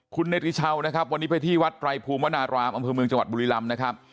คุณเนติชาวนะครับวันนี้ไปที่วัดไตรภูมิวนารามอำเภอเมืองจังหวัดบุรีรำนะครับ